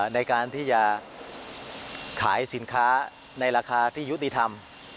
ในการที่จะขายสินค้าในราคาที่ยุติธรรม